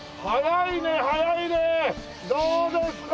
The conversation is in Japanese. どうですか？